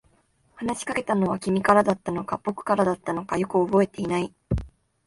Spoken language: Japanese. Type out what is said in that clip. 話しかけたのは君からだったのか、僕からだったのか、よく覚えていない。